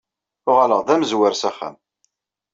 Uɣaleɣ-d d amezwar s axxam.